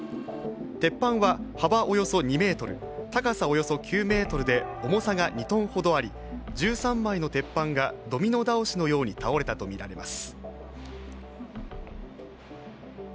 鉄板は幅およそ２ｍ高さおよそ９ｍで重さが２トンほどあり１３枚の鉄板がドミノ倒しのように倒れたとみられます。